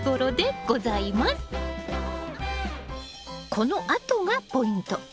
このあとがポイント。